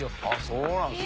そうなんですか。